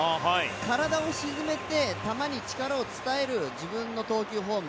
体を沈めて球に力を伝える自分の投球フォーム